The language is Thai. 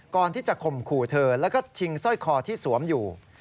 ก่อนที่จะข่มขู่เธอแล้วก็ชิงสร้อยคอที่สวมอยู่